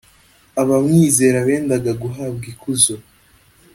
abamwizera bendaga guhabwa ikuzo